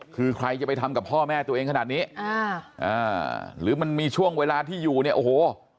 คือใครจะไปทำกับพ่อแม่ตัวเองขนาดนี้หรือมันมีช่วงเวลาที่อยู่เนี่ยโอ้โห